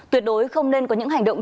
tuyệt đối không nên có những hành động